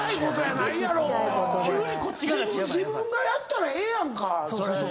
自分がやったらええやんかそれ。